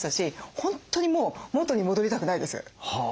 本当にもう元に戻りたくないです。